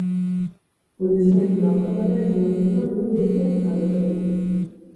Por exemplo a cor laranxa da cenoria débese aos carotenos.